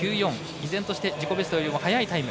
以前として自己ベストよりも速いタイム。